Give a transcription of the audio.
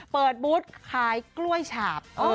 เปิดบูธขายกล้วยฉาบ